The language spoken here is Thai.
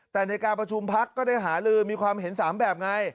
แต่ในการประชุมพักก็ได้หาลือมีความเห็น๓แบบไง